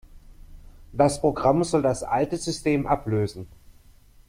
Das Programm soll das alte System ablösen.